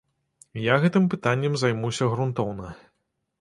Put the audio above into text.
Я гэтым пытаннем займаўся грунтоўна.